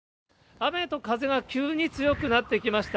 雨と風が急に強くなってきました。